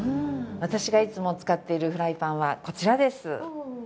私がいつも使っているフライパンはこちらです。